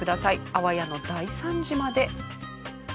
あわやの大惨事まで。